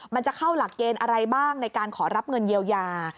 มันจะเข้าหลักเกณฑ์อะไรบ้างในการขอรับเงินเยียวยา